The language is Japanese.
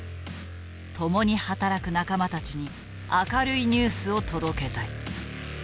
共に働く仲間たちに明るいニュースを届けたい。